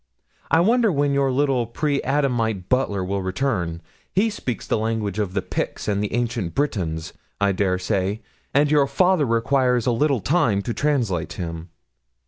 I wonder when your little pre Adamite butler will return. He speaks the language of the Picts and Ancient Britons, I dare say, and your father requires a little time to translate him.